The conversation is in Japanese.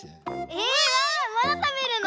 まだたべるの？